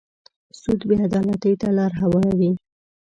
سود بې عدالتۍ ته لاره هواروي.